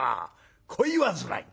恋煩い。